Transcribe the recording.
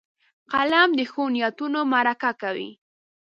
قلم د ښو نیتونو مرکه کوي